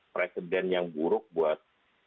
presiden yang buruk buat